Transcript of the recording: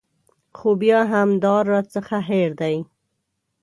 خو بیا هم دا راڅخه هېر دي.